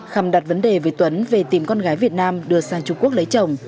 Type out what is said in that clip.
khăm đặt vấn đề với tuấn về tìm con gái việt nam đưa sang trung quốc lấy chồng